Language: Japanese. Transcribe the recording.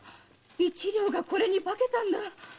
一両がこれに化けたんだ！